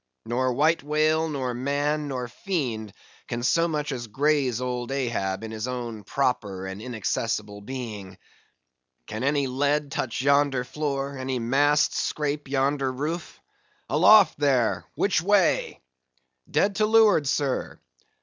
Nor white whale, nor man, nor fiend, can so much as graze old Ahab in his own proper and inaccessible being. Can any lead touch yonder floor, any mast scrape yonder roof?—Aloft there! which way?" "Dead to leeward, sir."